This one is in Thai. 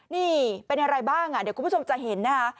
นี่เป็นอะไรบ้างเดี๋ยวคุณผู้ชมจะเห็นนะคะ